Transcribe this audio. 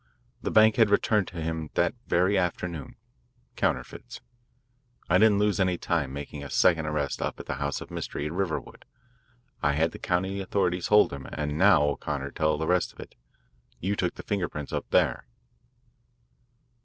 The bank had returned them to him that very afternoon counterfeits. I didn't lose any time making a second arrest up at the house of mystery at Riverwood. I had the county authorities hold them and, now, O'Connor, tell the rest of it. You took the finger prints up there."